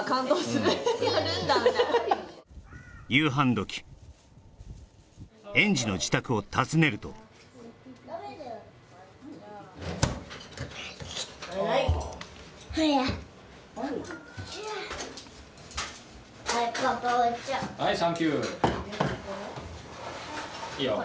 時園児の自宅を訪ねるとほらはいサンキューいいよ